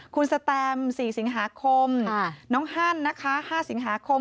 คุณสแตม๔สิงหาคมน้องฮั่นนะคะ๕สิงหาคม